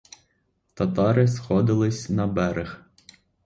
Татари сходились на берег.